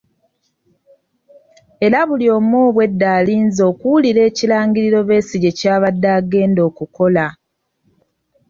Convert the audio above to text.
Era buli omu obwedda alinze okuwulira ekirangiriro Besigye ky'abadde agenda okukola.